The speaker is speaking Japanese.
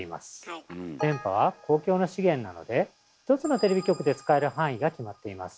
電波は公共の資源なので１つのテレビ局で使える範囲が決まっています。